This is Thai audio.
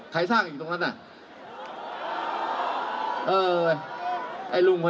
ไข้ซ่ากตรงนั้นน่ะ